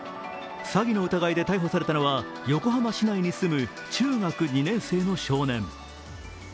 詐欺の疑いで逮捕されたのは横浜市内に住む中学２年の少年。